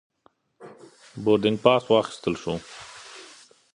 بوردینګ پاس واخیستل شو.